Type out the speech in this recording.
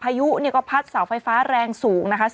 ผายุพัดเสาไฟฟ้าแรงสูง